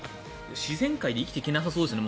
自然界で生きていけなさそうですね。